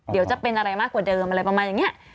เดี๋ยวจะเป็นอะไรมากกว่าเดิมอะไรประมาณอย่างนี้